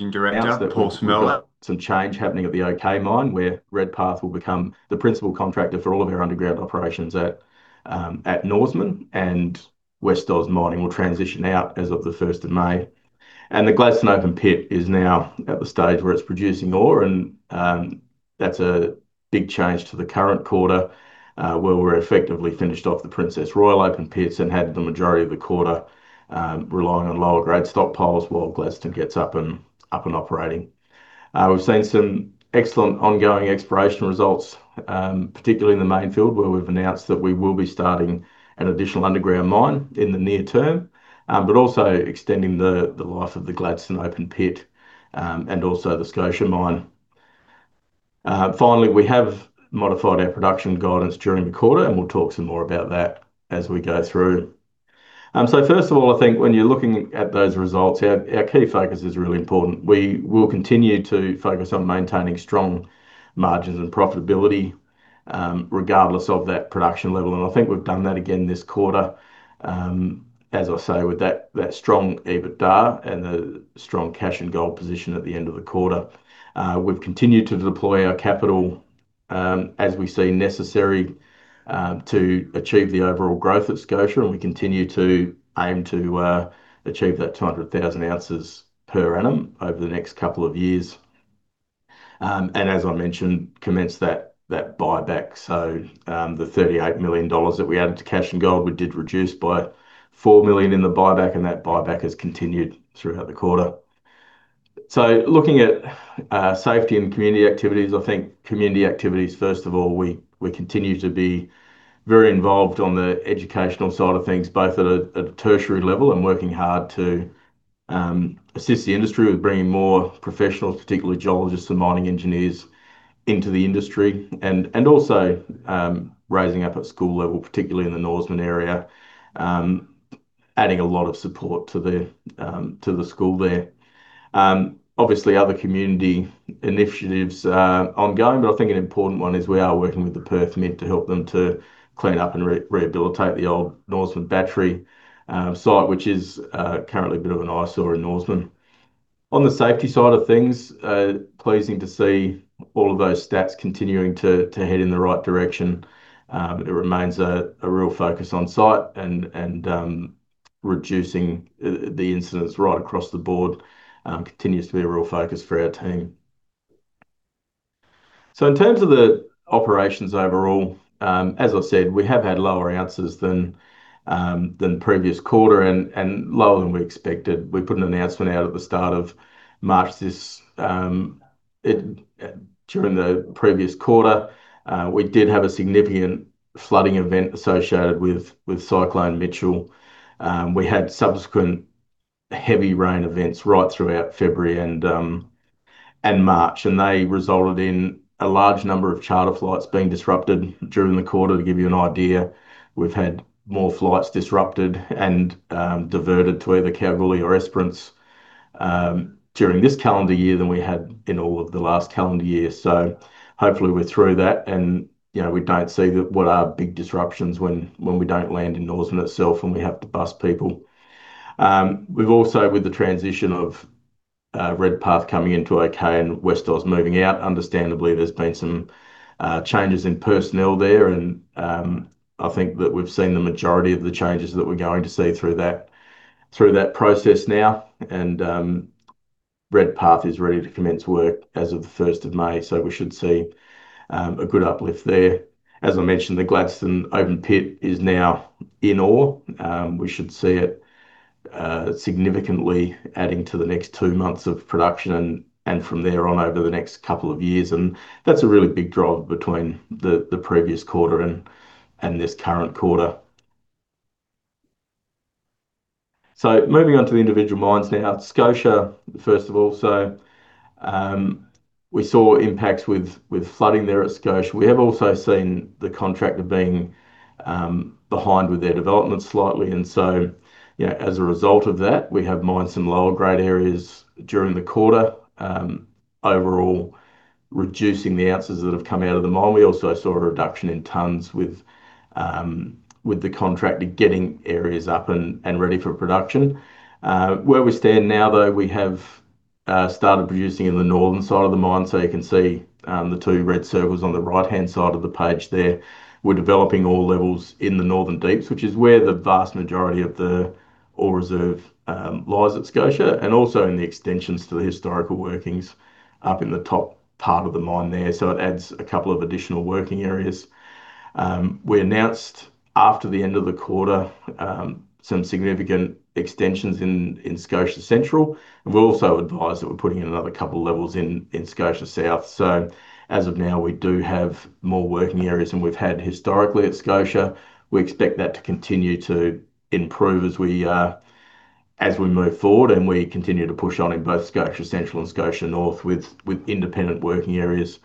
Managing Director, Paul Cmrlec. Announced that we've got some change happening at the OK Mine, where Redpath will become the principal contractor for all of our underground operations at Norseman and WestAuz Mining will transition out as of the 1st of May. The Gladstone open pit is now at the stage where it's producing ore and that's a big change to the current quarter, where we're effectively finished off the Princess Royal open pits and had the majority of the quarter relying on lower grade stockpiles while Gladstone gets up and operating. We've seen some excellent ongoing exploration results, particularly in the Mainfield where we've announced that we will be starting an additional underground mine in the near term. Also, extending the life of the Gladstone open pit and also the Scotia mine. Finally, we have modified our production guidance during the quarter and we'll talk some more about that as we go through. First of all, I think when you're looking at those results, our key focus is really important. We will continue to focus on maintaining strong margins and profitability, regardless of that production level, and I think we've done that again this quarter, as I say, with that strong EBITDA and the strong cash and gold position at the end of the quarter. We've continued to deploy our capital, as we see necessary, to achieve the overall growth at Scotia and we continue to aim to achieve that 200,000 oz per annum over the next couple of years. As I mentioned, we commenced that buyback. The 38 million dollars that we added to cash and gold, we did reduce by 4 million in the buyback and that buyback has continued throughout the quarter. Looking at safety and community activities. I think community activities, first of all, we continue to be very involved on the educational side of things, both at a tertiary level and working hard to assist the industry with bringing more professionals, particularly geologists and mining engineers into the industry and also rising up at school level, particularly in the Norseman area. Adding a lot of support to the school there. Obviously, other community initiatives ongoing, but I think an important one is we are working with the Perth Mint to help them to clean up and rehabilitate the old Norseman battery site, which is currently a bit of an eyesore in Norseman. On the safety side of things, pleasing to see all of those stats continuing to head in the right direction. It remains a real focus on site and reducing the incidents right across the board continues to be a real focus for our team. In terms of the operations overall, as I said, we have had lower ounces than previous quarter and lower than we expected. We put an announcement out at the start of March during the previous quarter. We did have a significant flooding event associated with Cyclone Mitchell. We had subsequent heavy rain events right throughout February and March and they resulted in a large number of charter flights being disrupted during the quarter. To give you an idea, we've had more flights disrupted and diverted to either Kalgoorlie or Esperance during this calendar year than we had in all of the last calendar year. Hopefully, we're through that and, you know, we don't see the big disruptions when we don't land in Norseman itself, and we have to bus people. We've also, with the transition of Redpath coming into OK Mine and WestAuz moving out, understandably there's been some changes in personnel there and I think that we've seen the majority of the changes that we're going to see through that process now. Redpath is ready to commence work as of the 1st of May, so we should see a good uplift there. As I mentioned, the Gladstone open pit is now in ore. We should see it significantly adding to the next two months of production and from there on, over the next couple of years. That's a really big driver between the previous quarter and this current quarter. Moving on to the individual mines now. Scotia, first of all. We saw impacts with flooding there at Scotia. We have also seen the contractor being behind with their development slightly. You know, as a result of that, we have mined some lower grade areas during the quarter, overall reducing the ounces that have come out of the mine. We also saw a reduction in tonnes with the contractor getting areas up and ready for production. Where we stand now though, we have started producing in the northern side of the mine. You can see the two red circles on the right-hand side of the page there. We're developing ore levels in the northern deeps, which is where the vast majority of the ore reserve lies at Scotia and also in the extensions to the historical workings up in the top part of the mine there. It adds a couple of additional working areas. We announced after the end of the quarter, some significant extensions in Scotia Central and we'll also advise that we're putting in another couple of levels in Scotia South. As of now, we do have more working areas than we've had historically at Scotia. We expect that to continue to improve as we move forward and we continue to push on in both Scotia Central and Scotia North with independent working areas.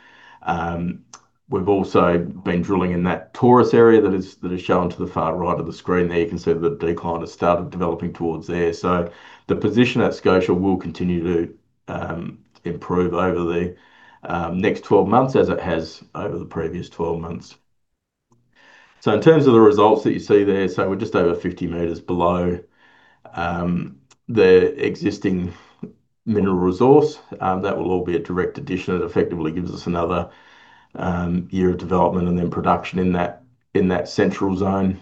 We've also been drilling in that Taurus area that is shown to the far right of the screen there. You can see the decline has started developing towards there. The position at Scotia will continue to improve over the next 12 months as it has over the previous 12 months. In terms of the results that you see there, we're just over 50 m below the existing Mineral Resource. That will all be a direct addition. It effectively gives us another year of development and then production in that central zone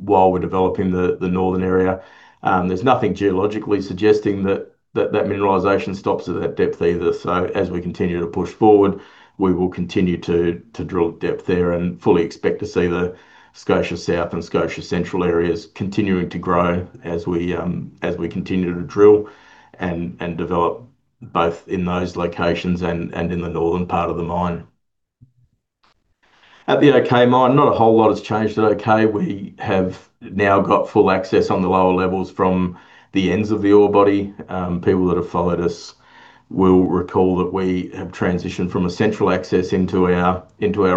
while we're developing the northern area. There's nothing geologically suggesting that mineralization stops at that depth either. As we continue to push forward, we will continue to drill depth there and fully expect to see the Scotia South and Scotia Central areas continuing to grow as we continue to drill and develop both in those locations and in the northern part of the mine. At the OK Mine, not a whole lot has changed at OK. We have now got full access on the lower levels from the ends of the ore body. People that have followed us will recall that we have transitioned from a central access into our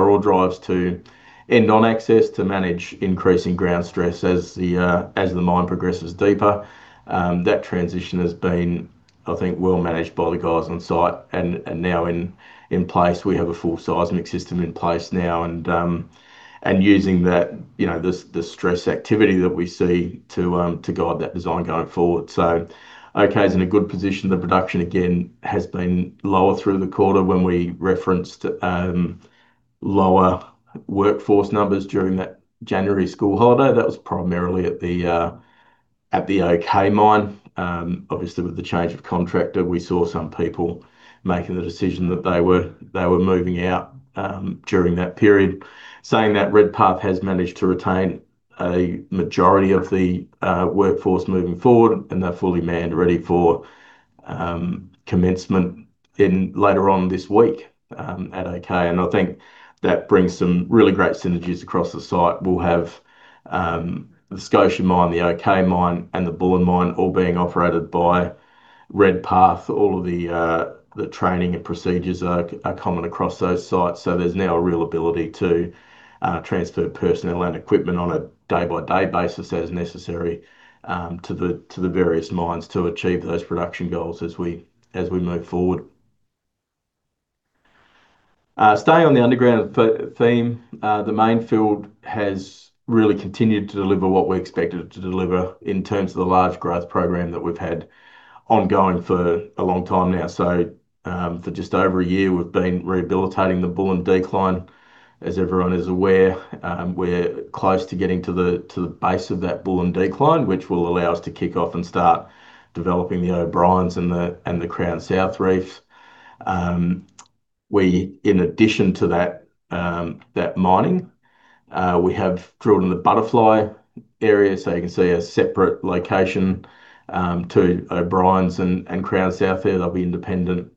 ore drives to end on access to manage increasing ground stress as the mine progresses deeper. That transition has been, I think, well-managed by the guys on site and now in place. We have a full seismic system in place now and using that, you know, the stress activity that we see to guide that design going forward. So, OK is in a good position. The production again has been lower through the quarter. When we referenced lower workforce numbers during that January school holiday, that was primarily at the OK Mine. Obviously with the change of contractor, we saw some people making the decision that they were moving out during that period. Saying that, Redpath has managed to retain a majority of the workforce moving forward, and they're fully manned, ready for commencement in later on this week at OK. I think that brings some really great synergies across the site. We'll have the Scotia Mine, the OK Mine, and the Bullen Mine all being operated by Redpath. All of the training and procedures are common across those sites, so there's now a real ability to transfer personnel and equipment on a day-by-day basis as necessary to the various mines to achieve those production goals as we move forward. Staying on the underground theme, the Mainfield has really continued to deliver what we expected it to deliver in terms of the large growth program that we've had ongoing for a long time now. For just over a year, we've been rehabilitating the Bullen Decline. As everyone is aware, we're close to getting to the base of that Bullen Decline, which will allow us to kick off and start developing the O'Briens and the Crown South Reef. We, in addition to that mining, we have drilled in the Butterfly area. You can see a separate location to O'Briens and Crown South there. They'll be independent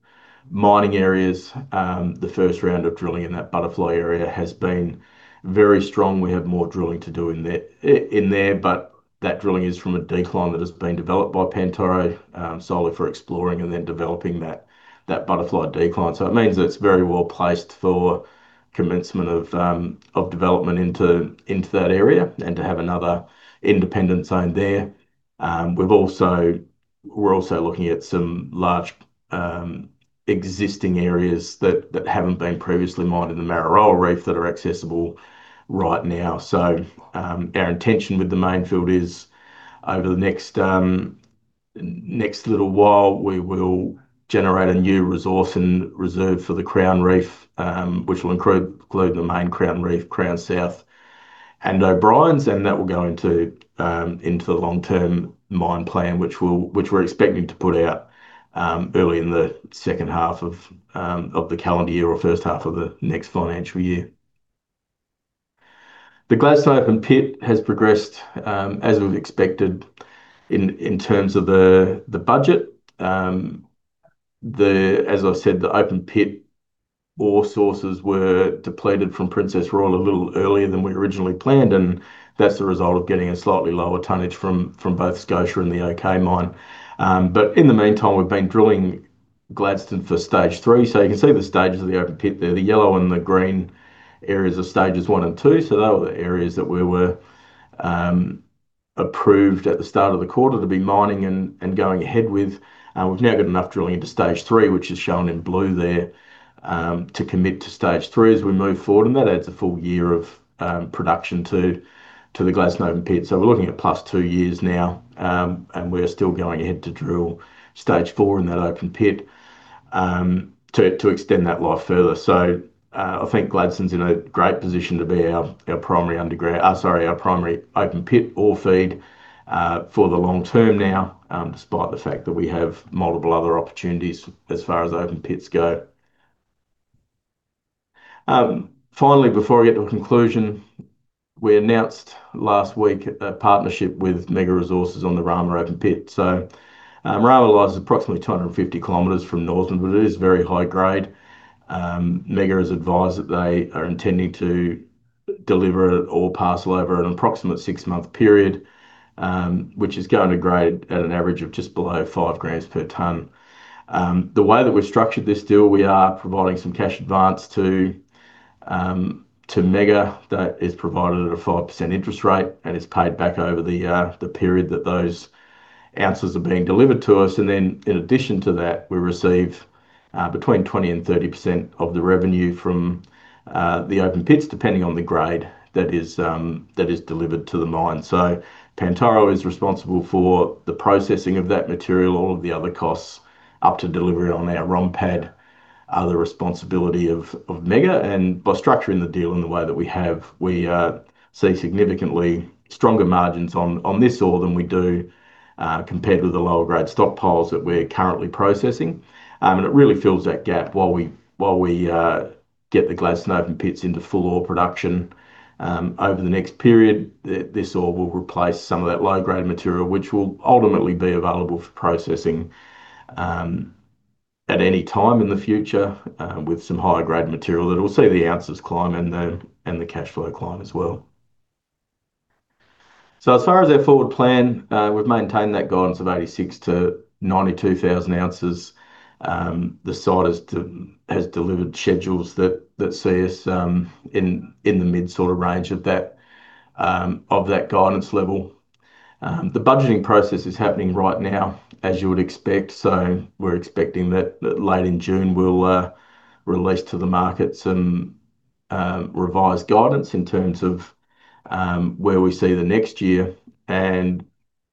mining areas. The first round of drilling in that Butterfly area has been very strong. We have more drilling to do in there, but that drilling is from a decline that has been developed by Pantoro solely for exploring and then developing that Butterfly decline. It means that it's very well-placed for commencement of development into that area and to have another independent zone there. We're also looking at some large existing areas that haven't been previously mined in the Mararoa Reef that are accessible right now. Our intention with the Mainfield is over the next little while, we will generate a new resource and reserve for the Crown Reef, which will include the main Crown Reef, Crown South, and O'Briens. That will go into the long-term mine plan, which we're expecting to put out early in the second half of the calendar year or first half of the next financial year. The Gladstone open pit has progressed as we've expected in terms of the budget. As I've said, the open pit ore sources were depleted from Princess Royal a little earlier than we originally planned, and that's the result of getting a slightly lower tonnage from both Scotia and the OK Mine. In the meantime, we've been drilling Gladstone for Stage 3. You can see the stages of the open pit there. The yellow and the green areas are Stages 1 and 2. They were the areas that we were approved at the start of the quarter to be mining and going ahead with. We've now got enough drilling into Stage 3, which is shown in blue there, to commit to Stage 3 as we move forward, and that adds a full year of production to the Gladstone open pit. We're looking at plus two years now, and we're still going ahead to drill Stage 4 in that open pit, to extend that life further. I think Gladstone's in a great position to be our primary open pit ore feed for the long term now, despite the fact that we have multiple other opportunities as far as open pits go. Finally, before I get to a conclusion, we announced last week a partnership with MEGA Resources on the Rama Open Pit. Rama lies approximately 250 km from Norseman, but it is very high grade. MEGA has advised that they are intending to deliver ore parcel over an approximate six-month period, which is going to grade at an average of just below 5 g/t. The way that we've structured this deal, we are providing some cash advance to MEGA that is provided at a 5% interest rate and is paid back over the period that those ounces are being delivered to us. In addition to that, we receive between 20% and 30% of the revenue from the open pits, depending on the grade that is delivered to the mine. Pantoro is responsible for the processing of that material. All of the other costs up to delivery on our ROM pad are the responsibility of MEGA. By structuring the deal in the way that we have, we see significantly stronger margins on this ore than we do compared with the lower grade stockpiles that we're currently processing. It really fills that gap while we get the Gladstone open pits into full ore production. Over the next period, this ore will replace some of that low-grade material which will ultimately be available for processing at any time in the future with some higher-grade material that will see the ounces climb and the cash flow climb as well. As far as our forward plan, we've maintained that guidance of 86,000 oz-92,000 oz. The site has delivered schedules that see us in the mid sort of range of that guidance level. The budgeting process is happening right now, as you would expect. We're expecting that late in June, we'll release to the market some revised guidance in terms of where we see the next year.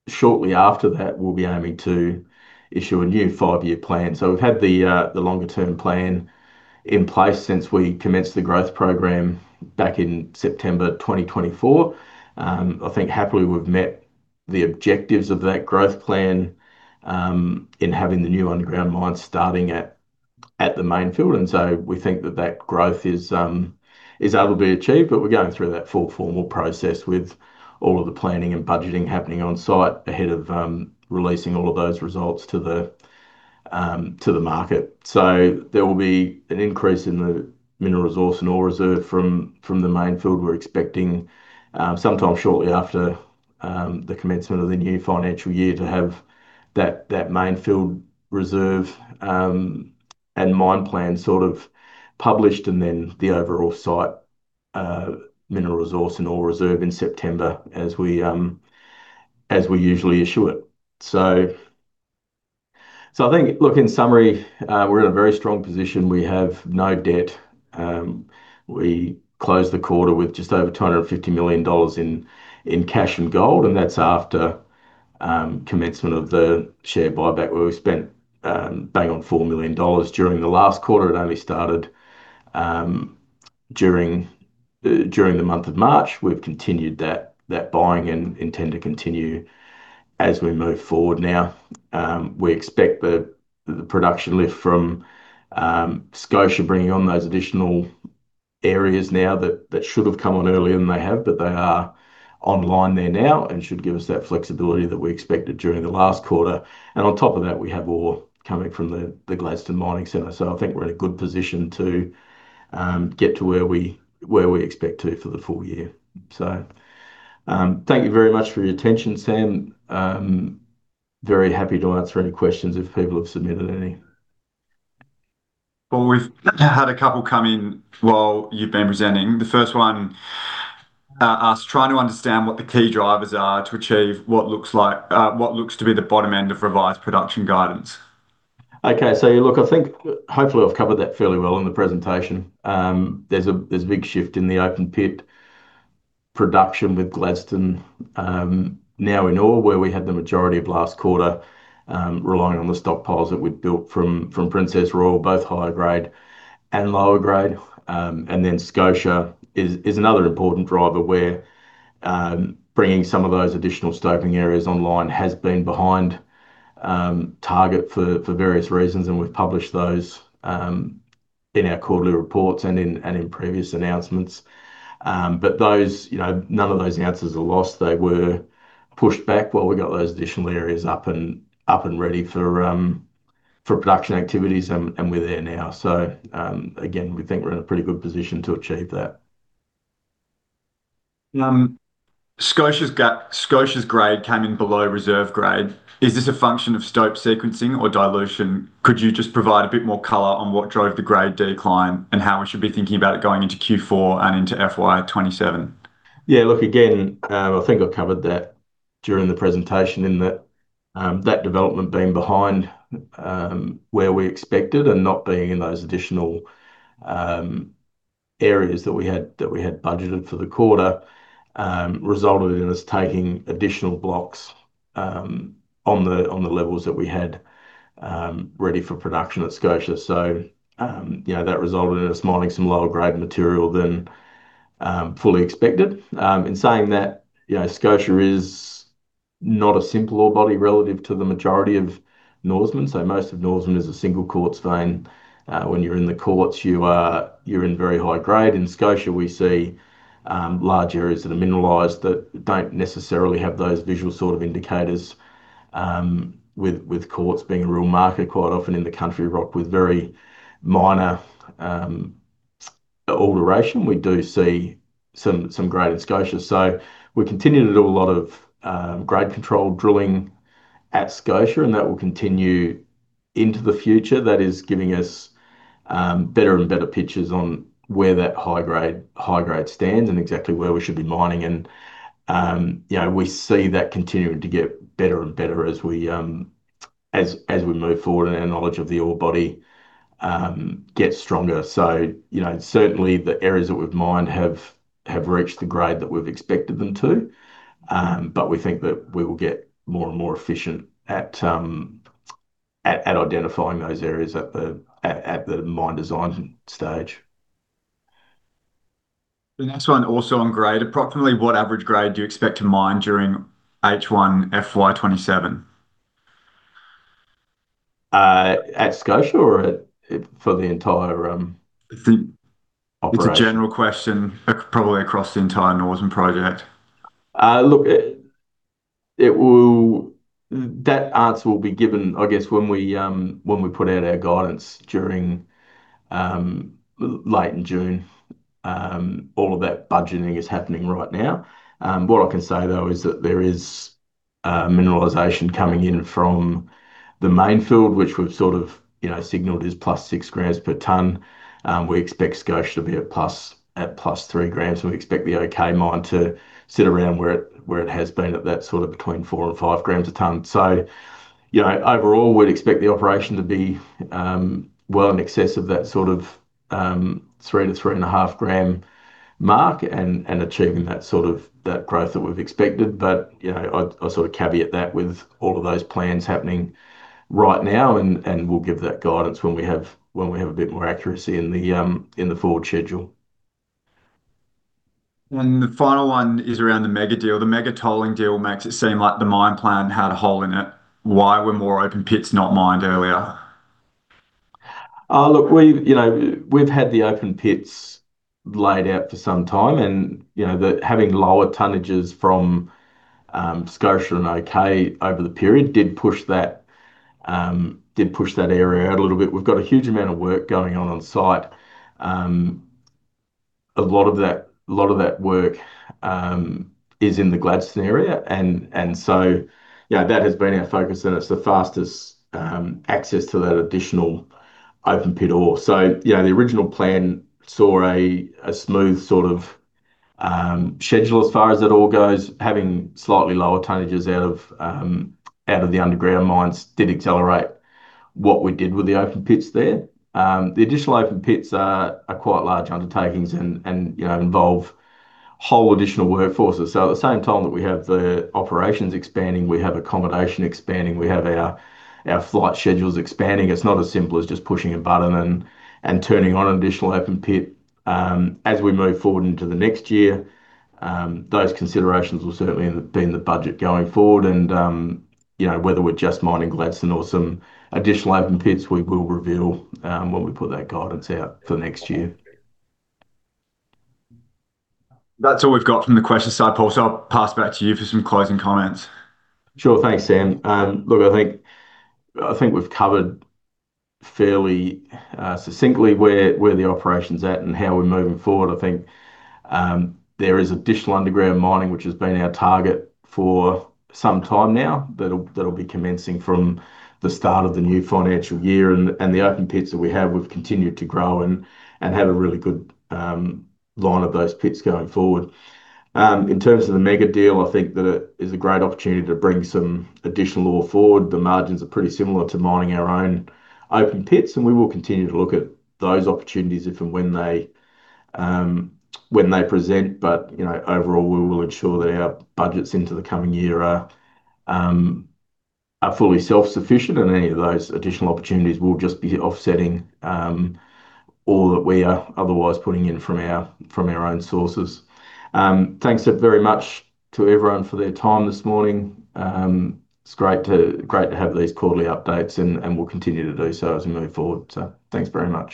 Shortly after that, we'll be aiming to issue a new five-year plan. We've had the longer-term plan in place since we commenced the growth program back in September 2024. I think happily, we've met the objectives of that growth plan in having the new underground mine starting at the Mainfield. We think that that growth is able to be achieved, but we're going through that full formal process with all of the planning and budgeting happening on site ahead of the releasing all of those results to the market. There will be an increase in the Mineral Resource and ore reserve from the Mainfield. We're expecting sometime shortly after the commencement of the new financial year to have that Mainfield reserve and mine plan sort of published and then the overall site Mineral Resource and ore reserve in September as we usually issue it. I think, look, in summary, we're in a very strong position. We have no debt. We closed the quarter with just over 250 million dollars in cash and gold, and that's after commencement of the share buyback where we spent bang on 4 million dollars during the last quarter. It only started during the month of March. We've continued that buying and intend to continue as we move forward now. We expect the production lift from Scotia bringing on those additional areas now that should have come on earlier than they have, but they are online there now and should give us that flexibility that we expected during the last quarter. On top of that, we have ore coming from the Gladstone Mining Centre. I think we're in a good position to get to where we expect to for the full year. Thank you very much for your attention, Sam. Very happy to answer any questions if people have submitted any. Well, we've had a couple come in while you've been presenting. The first one asks, "Trying to understand what the key drivers are to achieve what looks to be the bottom end of revised production guidance." Okay. Look, I think hopefully I've covered that fairly well in the presentation. There's a big shift in the open pit production with Gladstone now in ore where we had the majority of last quarter relying on the stockpiles that we'd built from Princess Royal, both higher grade and lower grade. Scotia is another important driver where bringing some of those additional stoping areas online has been behind target for various reasons, and we've published those in our quarterly reports and in previous announcements. Those, you know, none of those ounces are lost. They were pushed back while we got those additional areas up and ready for production activities and we're there now. Again, we think we're in a pretty good position to achieve that. Scotia's grade came in below reserve grade. Is this a function of stope sequencing or dilution? Could you just provide a bit more color on what drove the grade decline and how we should be thinking about it going into Q4 and into FY 2027? Yeah, look, again, I think I covered that during the presentation in that that development being behind where we expected and not being in those additional areas that we had budgeted for the quarter resulted in us taking additional blocks on the levels that we had ready for production at Scotia. You know, that resulted in us mining some lower grade material than fully expected. In saying that, you know, Scotia is not a simple ore body relative to the majority of Norseman. Most of Norseman is a single quartz vein. When you're in the quartz, you're in very high grade. In Scotia, we see large areas that are mineralized that don't necessarily have those visual sort of indicators with quartz being a real marker quite often in the country rock with very minor alteration. We do see some grade in Scotia. We're continuing to do a lot of grade control drilling at Scotia, and that will continue into the future. That is giving us better and better pictures on where that high grade stands and exactly where we should be mining, you know, we see that continuing to get better and better as we move forward and our knowledge of the ore body gets stronger. You know, certainly the areas that we've mined have reached the grade that we've expected them to. We think that we will get more and more efficient at identifying those areas at the mine design stage. The next one also on grade. Approximately what average grade do you expect to mine during H1 FY 2027? At Scotia or at, for the entire operation? It's a general question, probably across the entire Norseman project. That answer will be given, I guess, when we put out our guidance during late in June. All of that budgeting is happening right now. What I can say though is that there is mineralization coming in from the Mainfield, which we've sort of, you know, signaled is +6 g/t. We expect Scotia to be at +3 g, and we expect the OK Mine to sit around where it has been at that sort of between 4 g/t and 5 g/t. You know, overall, we'd expect the operation to be well in excess of that sort of 3 g-3.5 g mark and achieving that sort of growth that we've expected. You know, I'd sort of caveat that with all of those plans happening right now and we'll give that guidance when we have a bit more accuracy in the forward schedule The final one is around the MEGA deal. The MEGA tolling deal makes it seem like the mine plan had a hole in it. Why were more open pits not mined earlier? Look, we've, you know, had the open pits laid out for some time and, you know, having lower tonnages from Scotia and OK over the period did push that area out a little bit. We've got a huge amount of work going on on-site. A lot of that work is in the Gladstone area and so, you know, that has been our focus and it's the fastest access to that additional open pit ore. You know, the original plan saw a smooth sort of schedule as far as that all goes. Having slightly lower tonnages out of the underground mines did accelerate what we did with the open pits there. The additional open pits are quite large undertakings and, you know, involve whole additional workforces. At the same time that we have the operations expanding, we have accommodation expanding, we have our flight schedules expanding. It's not as simple as just pushing a button and turning on an additional open pit. As we move forward into the next year, those considerations will certainly be in the budget going forward and, you know, whether we're just mining Gladstone or some additional open pits, we will reveal when we put that guidance out for next year. That's all we've got from the questions side, Paul. I'll pass back to you for some closing comments. Sure. Thanks, Sam. Look, I think we've covered fairly succinctly where the operation's at and how we're moving forward. I think there is additional underground mining which has been our target for some time now that'll be commencing from the start of the new financial year and the open pits that we have, we've continued to grow and have a really good line of those pits going forward. In terms of the MEGA deal, I think that it is a great opportunity to bring some additional ore forward. The margins are pretty similar to mining our own open pits, and we will continue to look at those opportunities if and when they present. You know, overall, we will ensure that our budgets into the coming year are fully self-sufficient and any of those additional opportunities will just be offsetting all that we are otherwise putting in from our own sources. Thanks very much to everyone for their time this morning. It's great to have these quarterly updates and we'll continue to do so as we move forward. Thanks very much.